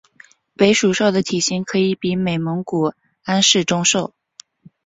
伟鬣兽的体型可以比美蒙古安氏中兽。